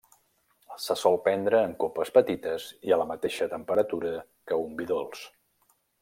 Se sol prendre en copes petites i a la mateixa temperatura que un vi dolç.